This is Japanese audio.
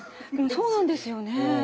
そうなんですよねえ。